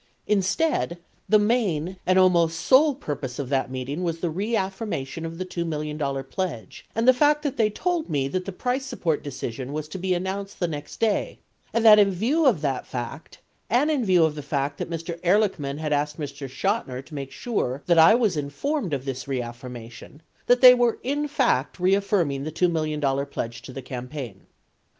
91 Instead : the main, and almost sole, purpose of that meeting was the reaffirmation of the $2 million pledge and the fact that they told me that the price support decision was to be announced the next day and that in view of that fact and in view of the fact that Mr. Ehrlichman had asked Mr. Chotiner to make sure that I was informed of this reaffirmation, that they were in fact reaffirming the $2 million pledge to the campaign.